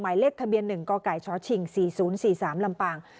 หมายเลขทะเบียนหนึ่งก่อไก่ชอชิงสี่ศูนย์สี่สามลำปาง